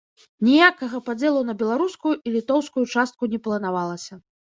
Ніякага падзелу на беларускую і літоўскую частку не планавалася.